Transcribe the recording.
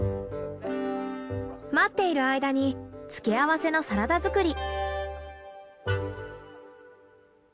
待っている間に付け合わせのサラダ作り。